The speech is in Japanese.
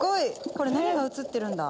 これ何が映ってるんだ？